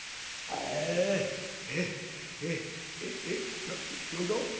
なっ何だ？